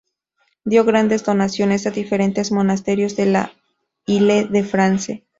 Dio grandes donaciones a diferentes monasterios de la Ile de France.